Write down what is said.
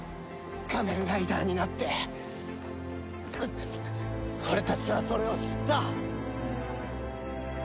仮面ライダーになって俺たちはそれを知った！